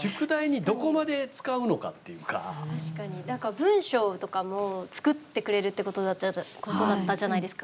確かに何か文章とかも作ってくれるってことだったじゃないですか。